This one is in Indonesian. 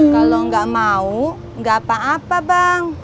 kalau nggak mau nggak apa apa bang